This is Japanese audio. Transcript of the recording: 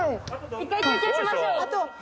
一回休憩しましょう。